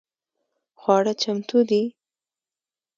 خواړه چمتو دي؟